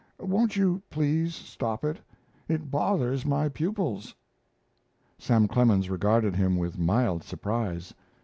Won't you please stop it? It bothers my pupils." Sam Clemens regarded him with mild surprise.